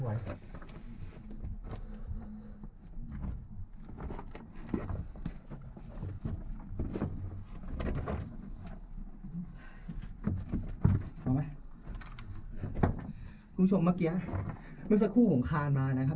เขาไหมคุณผู้ชมเมื่อกี้นึกสักครู่ผมคานมานะครับ